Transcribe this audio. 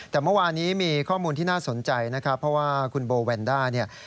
แต่เมื่อวานี้มีข้อมูลที่น่าสนใจนะครับเพราะว่าคุณโบแวนด้าเนี่ย